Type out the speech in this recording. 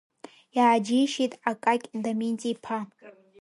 Иааџьеишьеит Акакь Доменти иԥа.